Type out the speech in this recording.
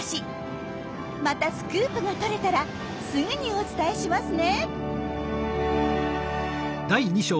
またスクープが撮れたらすぐにお伝えしますね。